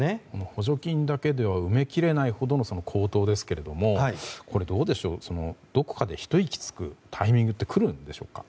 補助金だけでは埋めきれないほどの高騰ですけれどもどこかで一息つくタイミングって来るんでしょうか。